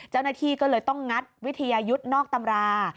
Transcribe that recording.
เจ้าหน้าที่ก็เลยต้องงัดวิทยายุทธ์นอกตำรา